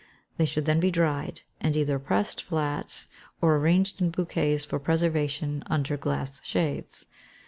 They should then be dried, and either pressed flat, or arranged in bouquets for preservation under glass shades.